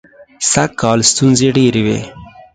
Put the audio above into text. سږکال ستونزې ډېرې وې.